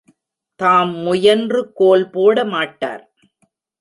தாம் முயன்று கோல் போட மாட்டார்.